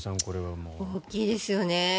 大きいですよね。